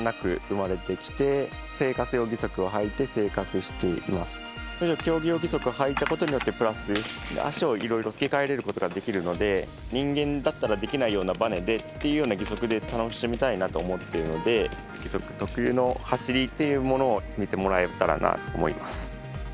それが競技用義足をはいたことによってプラス、足をいろいろ付け替えることができるので人間だったらできないようなばねでっていうような義足で楽しみたいなと思っているので義足特有の走りというものを見てもらえたらなと思います。